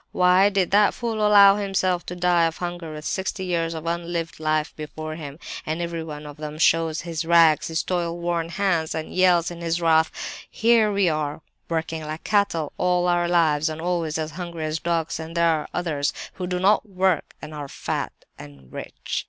Why did that fool allow himself to die of hunger with sixty years of unlived life before him? "And everyone of them shows his rags, his toil worn hands, and yells in his wrath: 'Here are we, working like cattle all our lives, and always as hungry as dogs, and there are others who do not work, and are fat and rich!